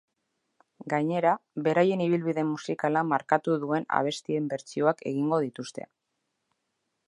Gainera, beraien ibilbide musikala markatu duen abestien bertsioak egingo dituzte.